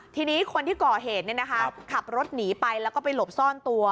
ทีนี้คนที่ก่อเหตุขับรถหนีไปแล้วก็ไปหลบซ่อนตัว